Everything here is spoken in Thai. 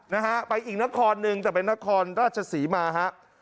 นะฮะไปอีกนครหนึ่งแต่เป็นนครราชศรีมาฮะ